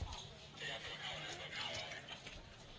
ไม่เป็นไรไม่เป็นไร